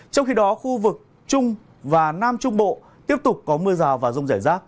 trong khi đó khu vực trung và nam trung bộ tiếp tục có mưa rào và rông rải rác